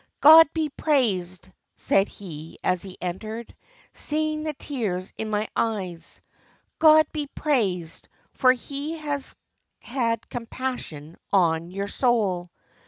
'God be praised,' said he, as he entered, seeing the tears in my eyes, 'God be praised, for He has had compassion on your soul.